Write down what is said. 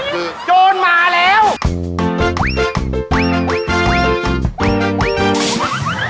โจชน์มาแล้ว